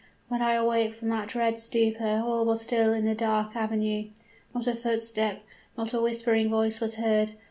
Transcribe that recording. When I awoke from that dread stupor all was still in the dark avenue; not a footstep, not a whispering voice was heard.